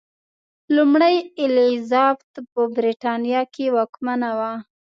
لومړۍ الیزابت په برېټانیا کې واکمنه وه.